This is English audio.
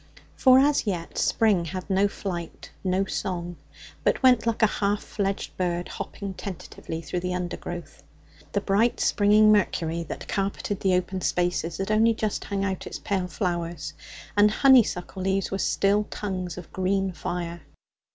For as yet spring had no flight, no song, but went like a half fledged bird, hopping tentatively through the undergrowth. The bright springing mercury that carpeted the open spaces had only just hung out its pale flowers, and honeysuckle leaves were still tongues of green fire.